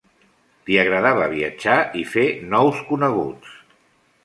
Li agradava viatjar i fer nous coneguts.